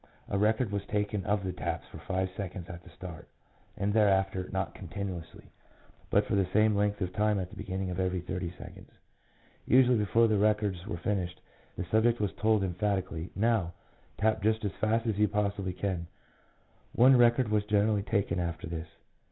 A record was taken of the taps for five seconds at the start, and thereafter, not con tinuously, but for the same length of time at the beginning of every thirty seconds. Usually before the records were finished, the subject was told em phatically, "Now! tap just as fast as you possibly can." One record was generally taken after this.